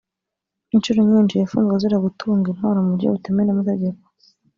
Inshuro nyinshi yafunzwe azira gutunga intwaro mu buryo butemewe n’amategeko